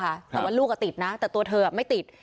แต่ว่าลูกก็ติดนะแต่ตัวเธอไม่ติด